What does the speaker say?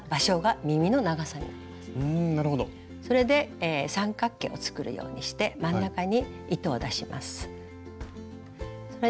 それで三角形を作るようにして真ん中に糸を出します。